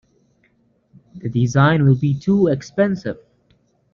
This design will be too expensive.